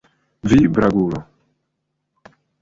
Vi, blagulo!